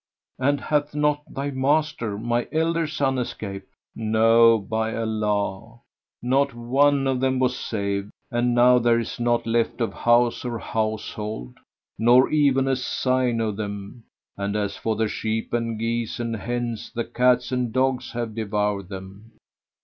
"And hath not thy master, my elder son, escaped?" "No, by Allah! not one of them was saved, and now there is naught left of house or household, nor even a sign of them: and, as for the sheep and geese and hens, the cats and dogs have devoured them."